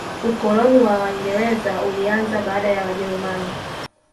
ukoloni wa waingereza ulianza baada ya wajerumani